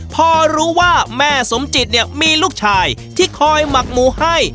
พอรู้ว่าแม่สมจิตเนี่ยมีลูกชายที่คอยหมักหมูให้